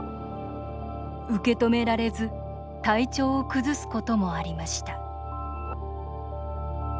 受け止められず体調を崩すこともありました。